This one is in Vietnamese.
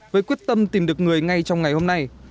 với quyết tâm tìm được người ngay trong ngày hôm nay